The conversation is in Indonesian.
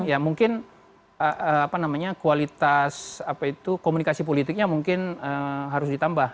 ya mungkin kualitas komunikasi politiknya mungkin harus ditambah